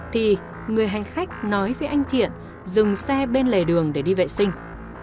thì người hành khách nói với anh thiện dừng xe bên lề đường để đi vệ sinh